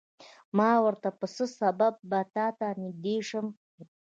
ما ورته په څه سبب به تاته نږدې شم.